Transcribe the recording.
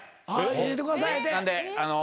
「入れてください」やって。